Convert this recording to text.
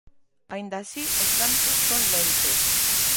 Aínda así, os trámites son lentos.